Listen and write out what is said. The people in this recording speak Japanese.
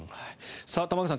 玉川さん